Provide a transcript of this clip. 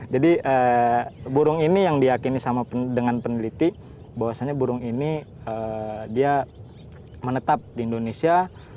jadi burung ini yang diakini sama dengan peneliti bahwasannya burung ini dia menetap di indonesia